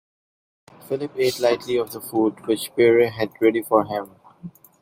Philip ate lightly of the food which Pierre had ready for him.